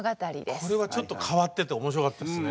これはちょっと変わってて面白かったですね。